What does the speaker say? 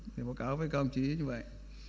thì báo cáo với các ông chí như vậy